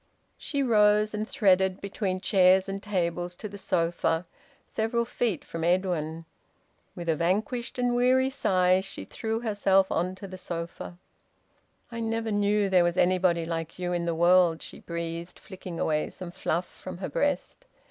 She rose and threaded between chairs and tables to the sofa, several feet from Edwin. With a vanquished and weary sigh, she threw herself on to the sofa. "I never knew there was anybody like you in the world," she breathed, flicking away some fluff from her breast.